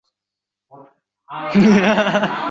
Shu belgilangan vaqt oralig’ida Telegramga kirmasangiz